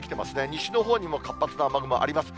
西のほうにも活発な雨雲あります。